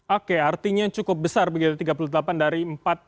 oke artinya cukup besar tiga puluh delapan dari empat puluh delapan